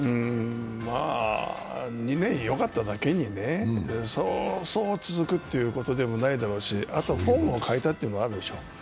まぁ、２年よかっただけにそうそう続くということでもないでしょうし、あとはフォームも変えたってこともあるでしょう。